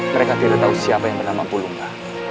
mereka tidak tahu siapa yang bernama pulungnya